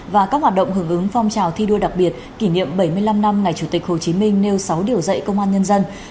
và các hoạt động hưởng ứng phong trào thi đua đặc biệt kỷ niệm bảy mươi năm năm ngày chủ tịch hồ chí minh nêu sáu điều dạy công an nhân dân